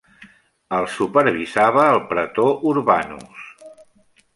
Els supervisava el praetor urbanus.